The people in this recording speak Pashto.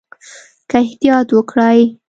که احتیاط وکړئ